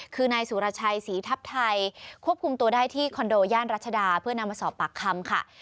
คือนายสุรชัยศรีทัพไทยควบคุมตัวได้ที่คอนโดย่านรัชดาเพื่อนำมาสอบปากคำค่ะ